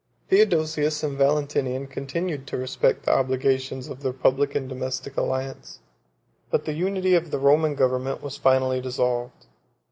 Theodosius and Valentinian continued to respect the obligations of their public and domestic alliance; but the unity of the Roman government was finally dissolved.